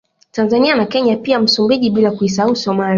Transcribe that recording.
Tanzania na Kenya pia Msumbiji bila kuisahau Somalia